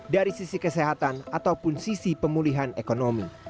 dari sisi kesehatan ataupun sisi pemulihan ekonomi